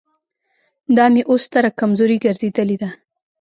دا مې اوس ستره کمزوري ګرځېدلې ده.